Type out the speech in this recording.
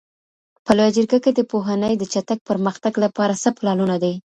په لویه جرګه کي د پوهنې د چټک پرمختګ لپاره څه پلانونه دي؟